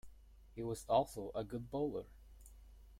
He was also a good bowler.